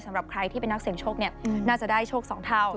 สำหรับใครที่เป็นนักเสียงโชคน่าจะได้โชค๒เท่า